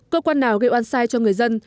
cơ quan nào gây oan sai cho người dân